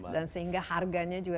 dan sehingga harganya juga